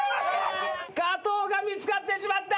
加藤が見つかってしまった。